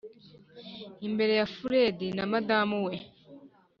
imbere ya furedi na madame we."